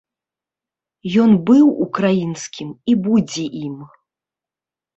Ён быў украінскім і будзе ім.